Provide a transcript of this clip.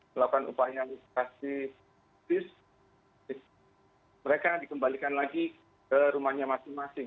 melakukan upaya literasi mereka dikembalikan lagi ke rumahnya masing masing